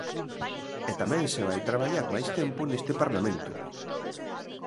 E tamén se vai traballar máis tempo neste Parlamento.